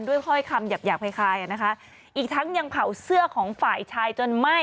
ถ้อยคำหยาบหยาบคล้ายนะคะอีกทั้งยังเผาเสื้อของฝ่ายชายจนไหม้